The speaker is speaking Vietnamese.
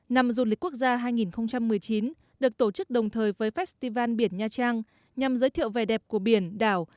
năm du lịch quốc gia hai nghìn một mươi chín được tổ chức đồng thời với festival biển nha trang nhằm giới thiệu vẻ đẹp của biển đảo